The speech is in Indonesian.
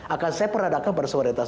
akan saya peradakan pada suara detas